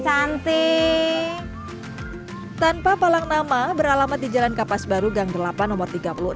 cantik tanpa palang nama beralamat di jalan kapas baru gang delapan nomor